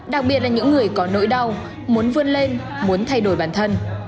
đặc biệt là những người có nỗi đau muốn vươn lên muốn thay đổi bản thân